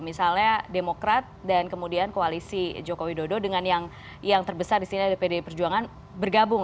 misalnya demokrat dan kemudian koalisi joko widodo dengan yang terbesar di sini dpd perjuangan bergabung